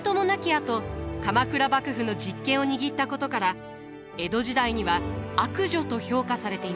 あと鎌倉幕府の実権を握ったことから江戸時代には悪女と評価されていました。